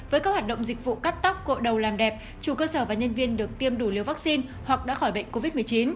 với các hoạt động dịch vụ cắt tóc cội đầu làm đẹp chủ cơ sở và nhân viên được tiêm đủ liều vaccine hoặc đã khỏi bệnh covid một mươi chín